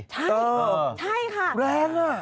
ใช่ค่ะแรงอ่ะ